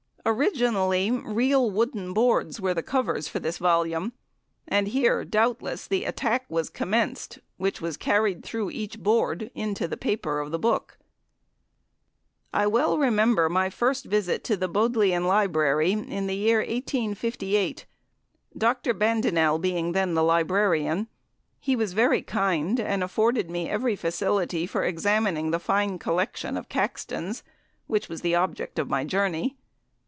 Originally, real wooden boards were the covers of the volume, and here, doubtless, the attack was commenced, which was carried through each board into the paper of the book. I remember well my first visit to the Bodleian Library, in the year 1858, Dr. Bandinel being then the librarian. He was very kind, and afforded me every facility for examining the fine collection of "Caxtons," which was the object of my journey.